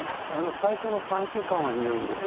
最初の３週間は入院ですね。